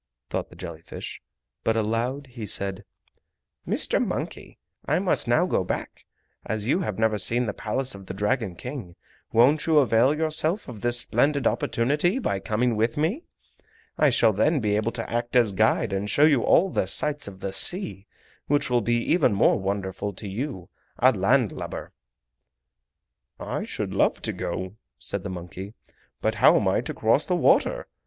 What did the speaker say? thought the jelly fish, but aloud he said: "Mr. Monkey. I must now go back. As you have never seen the Palace of the Dragon King, won't you avail yourself of this splendid opportunity by coming with me? I shall then be able to act as guide and show you all the sights of the sea, which will be even more wonderful to you—a land lubber." "I should love to go," said the monkey, "but how am I to cross the water!